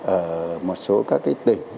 ở một số các tỉnh